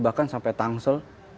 bahkan sampai tangsel